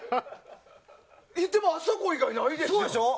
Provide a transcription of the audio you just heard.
でも、あそこ以外ないでしょ。